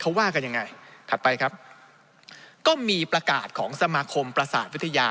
เขาว่ากันยังไงถัดไปครับก็มีประกาศของสมาคมประสาทวิทยา